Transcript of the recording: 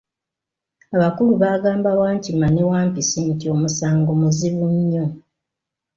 Abakulu baagamba Wankima ne Wampisi nti, Omusango muzibu nnyo.